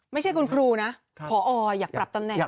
ไม่ใช่คุณครูนะพออยากปรับตำแหน่ง